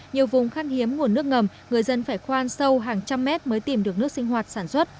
nhiều vùng khăn hiếm nguồn nước ngầm người dân phải khoan sâu hàng trăm mét mới tìm được nước sinh hoạt sản xuất